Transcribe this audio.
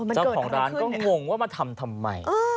เจ้าของร้านก็งงว่ามาทำทำไม